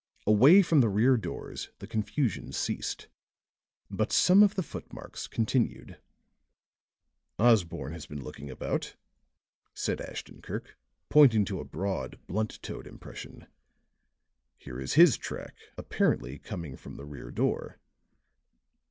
Away from the rear doors the confusion ceased; but some of the footmarks continued. "Osborne has been looking about," said Ashton Kirk, pointing to a broad, blunt toed impression; "here is his track, apparently coming from the rear door.